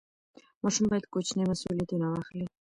ماشوم باید کوچني مسوولیتونه واخلي.